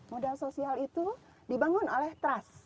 modal sosial itu dibangun oleh trust